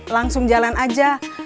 langsung jalan aja